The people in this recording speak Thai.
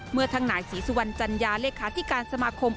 เมื่อทั้งนายศรีสุวรรณจัญญาเลขาธิการสมาคม